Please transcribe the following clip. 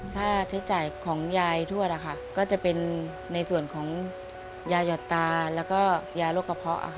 ค่าใช้จ่ายของยายทั่วละค่ะก็จะเป็นในส่วนของยายอดตาและก็ยาหยอดตา